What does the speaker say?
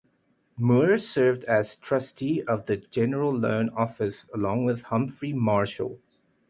Moore served as trustee of the General Loan Office along with Humphry Marshall.